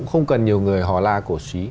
không cần nhiều người họ la cổ xí